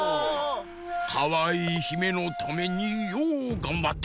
かわいいひめのためにようがんばった！